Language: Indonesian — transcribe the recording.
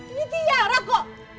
ini tiara kok